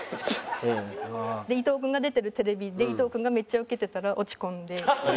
で伊藤君が出てるテレビで伊藤君がめっちゃウケてたら落ち込んで。